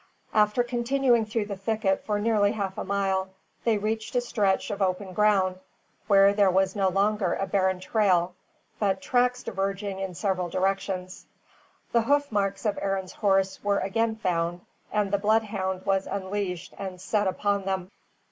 After continuing through the thicket for nearly half a mile, they reached a stretch of open ground, where there was no longer a beaten trail, but tracks diverging in several directions. The hoof marks of Arend's horse were again found, and the bloodhound was unleashed and set upon them.